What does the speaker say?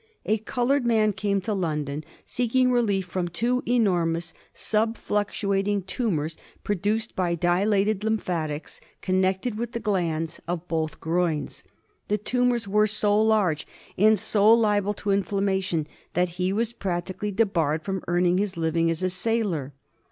A coloured man came to London seeking relief from two enormous sub fluctuating tumours produced by di lated lymphatics connected with the glands of both groins. The tumours were so large and so liable to inflammation that he was practically debarred from earning his living as a sailor.